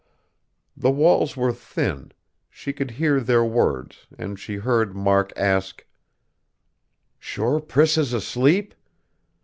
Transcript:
The walls were thin; she could hear their words, and she heard Mark ask: "Sure Priss is asleep?